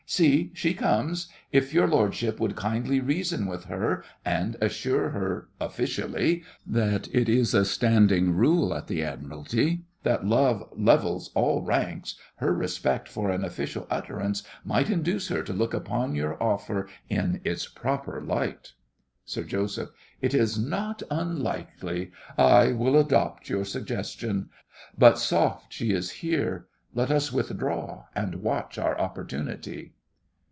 See, she comes. If your lordship would kindly reason with her and assure her officially that it is a standing rule at the Admiralty that love levels all ranks, her respect for an official utterance might induce her to look upon your offer in its proper light. SIR JOSEPH. It is not unlikely. I will adopt your suggestion. But soft, she is here. Let us withdraw, and watch our opportunity.